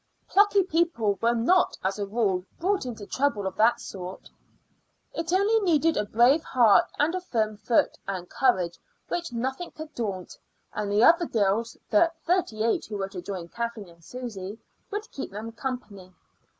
Plucky people were not as a rule brought into trouble of that sort. It only needed a brave heart and a firm foot, and courage which nothing could daunt; and the other girls, the thirty eight who were to join Kathleen and Susy, would keep them company.